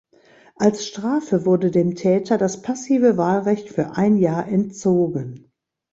Als Strafe wurde dem Täter das passive Wahlrecht für ein Jahr entzogen.